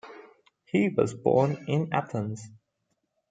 He was born in Athens.